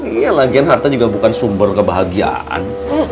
iya lagian harta juga bukan sumber kebahagiaan